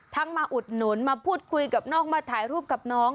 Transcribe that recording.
มาอุดหนุนมาพูดคุยกับนอกมาถ่ายรูปกับน้อง